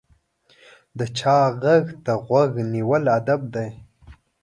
د چا غږ ته غوږ نیول ادب دی.